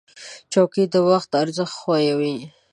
چوکۍ د وخت ارزښت ښووي.